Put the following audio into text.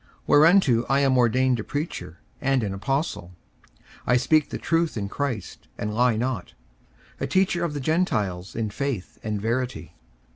54:002:007 Whereunto I am ordained a preacher, and an apostle, (I speak the truth in Christ, and lie not;) a teacher of the Gentiles in faith and verity.